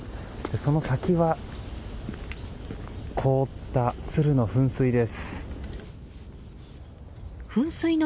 その先は凍ったツルの噴水です。